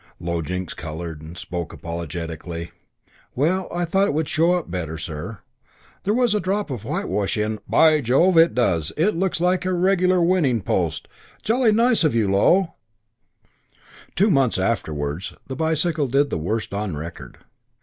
Low Jinks coloured and spoke apologetically: "Well, I thought it would show up better, sir. There was a drop of whitewash in " "By Jove, it does. It looks like a regular winning post. Jolly nice of you, Low." Two months afterwards the bicycle did the worst on record.